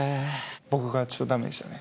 僕がちょっとダメでしたね。